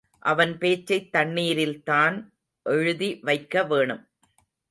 அவன் பேச்சைத் தண்ணீரில்தான் எழுதி வைக்க வேணும்.